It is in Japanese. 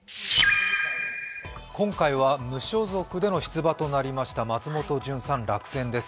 今回は無所属での出馬となりました松本純さん落選です。